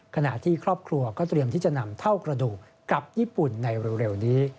ขณะที่ครอบครัวก็เตรียมที่จะนำเท่ากระดูกกลับญี่ปุ่นในเร็วนี้